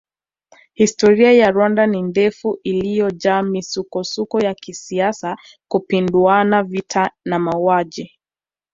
Historia ya Rwanda ni ndefu iliyojaa misukosuko ya kisiasa kupinduana vita na mauaji